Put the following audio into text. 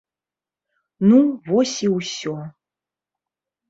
Ну, вось і ўсё.